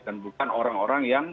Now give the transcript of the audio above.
dan bukan orang orang yang